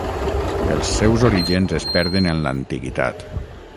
Els seus orígens es perden en l'antiguitat.